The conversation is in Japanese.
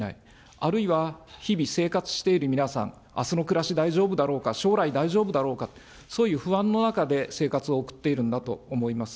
あるいは、日々生活している皆さん、あすの暮らし、大丈夫だろうか、将来、大丈夫だろうか、そういう不安の中で生活を送っているんだと思います。